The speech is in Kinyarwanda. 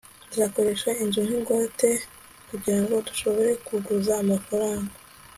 tuzakoresha inzu nk'ingwate kugirango dushobore kuguza amafaranga